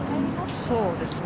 そうですね。